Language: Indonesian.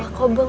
ma kau bengong